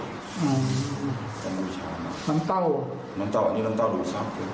อืมน้ำเต้าน้ำเต้านี่น้ำเต้าดูซับ